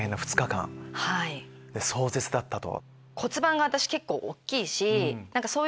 壮絶だったと。